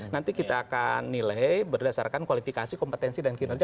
nanti kita akan nilai berdasarkan kualifikasi kompetensi dan kinerja